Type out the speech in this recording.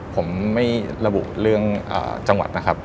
ผมไม่ระบุเรื่องจังหวัดนะครับ